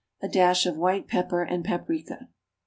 A dash of white pepper and paprica.